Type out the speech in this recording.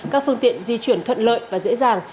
các phương tiện di chuyển thuận lợi và dễ dàng